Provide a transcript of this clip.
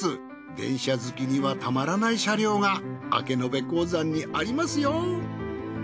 電車好きにはたまらない車両が明延鉱山にありますよ。